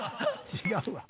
違うわ」